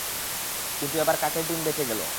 কিন্তু এবার কাকের ডিম বেঁচে গেল।